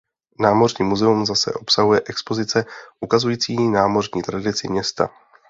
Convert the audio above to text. Námořní muzeum zase obsahuje expozice ukazující námořní tradici města.